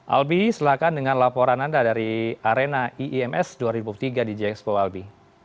albi silahkan dengan laporan anda dari arena iims dua ribu tiga di jxpo albi